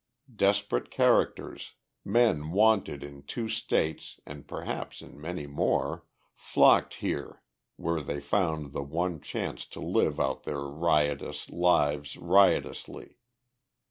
Desperate characters, men wanted in two states and perhaps in many more, flocked here where they found the one chance to live out their riotous lives riotously.